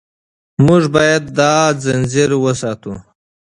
موږ باید دا ځنځیر وساتو.